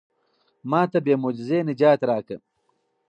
ما ته بې معجزې نجات راکړه.